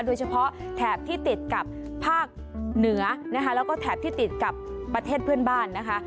แถบที่ติดกับภาคเหนือนะคะแล้วก็แถบที่ติดกับประเทศเพื่อนบ้านนะคะ